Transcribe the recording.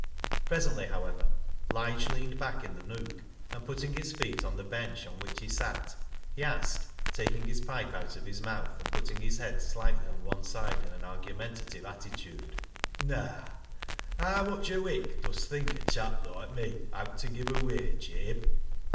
Presently, however, Lige leaned back in the nook, and putting his feet on the bench on which he sat, he asked, taking his pipe out of his mouth, and putting his head slightly on one side in an argumenta tive attitude —" Naa, haa mitch a wik dust think a chap loike me owt ta give away, Jabe